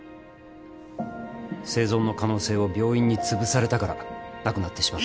生存の可能性を病院につぶされたから亡くなってしまった。